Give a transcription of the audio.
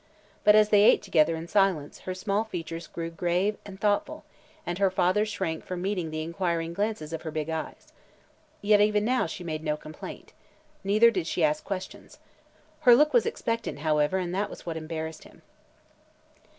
But as they ate together in silence her small features grew grave and thoughtful and her father shrank from meeting the inquiring glances of her big eyes. Yet even now she made no complaint. Neither did she ask questions. Her look was expectant, however, and that was what embarrassed him.